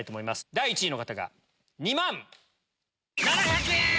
第１位の方が２万７００円！